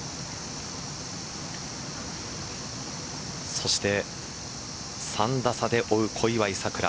そして、３打差で追う小祝さくら。